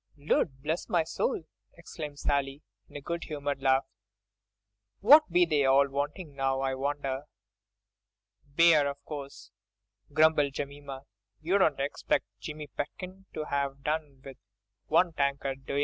"Lud bless my soul!" exclaimed Sally, with a good humoured laugh, "what be they all wanting now, I wonder!" "Beer, of course," grumbled Jemima, "you don't 'xpect Jimmy Pitkin to 'ave done with one tankard, do ye?"